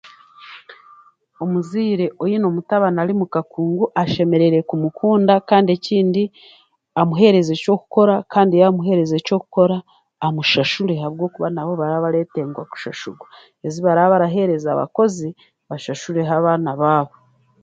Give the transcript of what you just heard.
Omuzaire oine omutabani ari mukakungu ashemereire kumukunda kand amuheereze eky'okukora kandi yaamuheereza eky'okukora amushashure ahakuba we nawe araaretenga kushashurwa ezi baraabashashura abakozi bashashureho abaana baabo